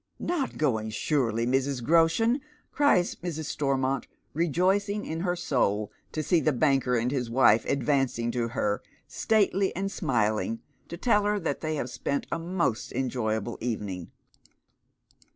Not going, surely, Mrs. Groshen," cries Mrs. Stormont, rejoicing in her soul to see the banker and his wife advancing to her, stately and smiling, to tell her that they have spent " a most enjoyable evening."